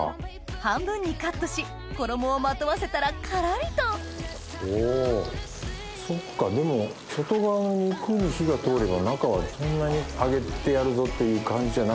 半分にカットし衣をまとわせたらカラリとおそっかでも外側の肉に火が通れば中はそんなに揚げてやるぞっていう感じじゃなくていいんだ。